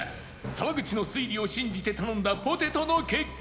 沢口の推理を信じて頼んだポテトの結果は？